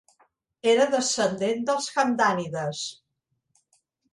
Era descendent dels hamdànides.